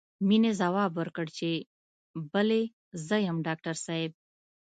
مينې ځواب ورکړ چې بلې زه يم ډاکټر صاحب.